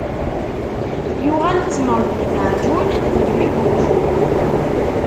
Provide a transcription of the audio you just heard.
Yuɣal ttmeṛ d lmeɛǧun deg imi n uqjun.